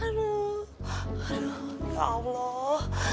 aduh ya allah